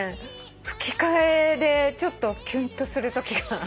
吹き替えでちょっときゅんとするときが。